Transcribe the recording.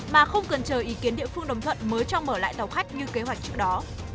mà không cần chờ ý kiến địa phương đồng thuận mới cho mở lại tàu khách như kế hoạch trước đó